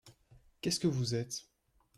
Qu’est-ce que vous êtes ?